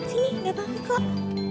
sini gak takut kok